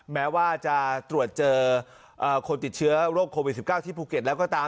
แม้ว่าจะตรวจเจอคนติดเชื้อโรคโควิด๑๙ที่ภูเก็ตแล้วก็ตาม